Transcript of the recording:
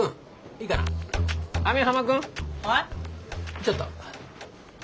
ちょっと。